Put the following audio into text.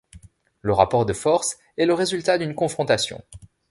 Le rapport de forces est le résultat d'une confrontation.